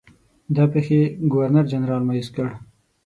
دا پیښې ګورنرجنرال مأیوس کړ.